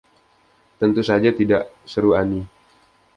"Tentu saja tidak," seru Annie.